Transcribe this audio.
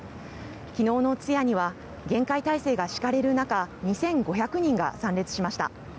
昨日の通夜には厳戒態勢が敷かれる中２５００人が参列しました。